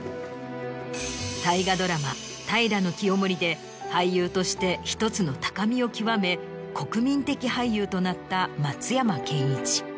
大河ドラマ『平清盛』で俳優として１つの高みを極め国民的俳優となった松山ケンイチ。